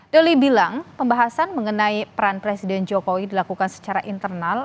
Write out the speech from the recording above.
doli bilang pembahasan mengenai peran presiden jokowi dilakukan secara internal